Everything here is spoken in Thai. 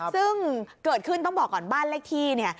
ซึ่งเกิดขึ้นต้องบอกก่อนบ้านเลขที่เนี่ย